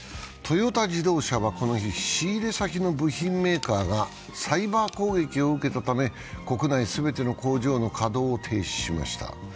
トヨタ自動車はこの日、仕入れ先の部品メーカーがサイバー攻撃を受けたため国内全ての工場の稼働を停止しました。